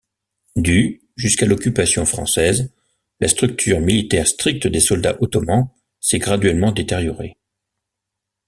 Du jusqu'à l'occupation française, la structure militaire stricte des soldats ottomans s'est graduellement détériorée.